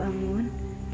kamu kok bangun